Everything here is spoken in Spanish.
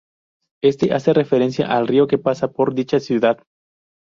Éste hace referencia al río que pasa por dicha ciudad.